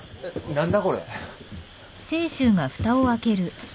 何だこれ。